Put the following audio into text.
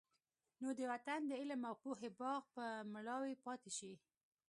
نو د وطن د علم او پوهې باغ به مړاوی پاتې شي.